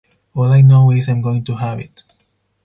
All I know is, I'm going to have it.